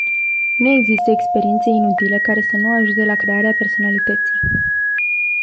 Nu există experiențe inutile, care să nu ajute la crearea personalității.